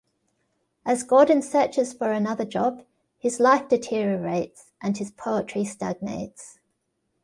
As Gordon searches for another job, his life deteriorates, and his poetry stagnates.